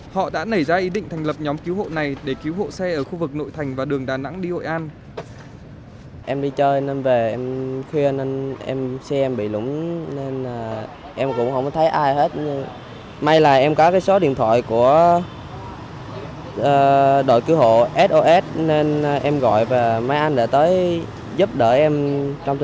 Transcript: họ đã nảy ra ý định thành lập nhóm cứu hộ này để cứu hộ xe ở khu vực nội thành và đường đà nẵng đi hội an